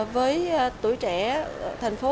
với tuổi trẻ thành phố